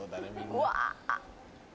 うわ！